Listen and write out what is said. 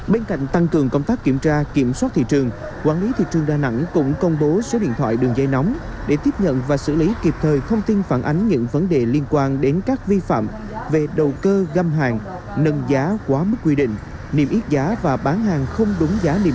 bên cạnh tăng cường công tác kiểm tra kiểm soát thị trường quản lý thị trường đà nẵng cũng công bố số điện thoại đường dây nóng để tiếp nhận và xử lý kịp thời thông tin phản ánh những vấn đề liên quan đến các vi phạm về đầu cơ găm hàng nâng giá quá mức quy định niêm yết giá và bán hàng không đúng giá niêm